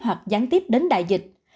hoặc gián tiếp đến đại dịch